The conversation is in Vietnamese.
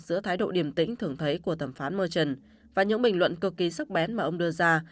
giữa thái độ điềm tĩnh thường thấy của thẩm phán murchin và những bình luận cực kỳ sắc bén mà ông đưa ra